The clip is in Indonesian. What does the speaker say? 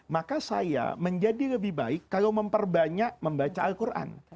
maka saya menjadi lebih baik kalau memperbanyak membaca al quran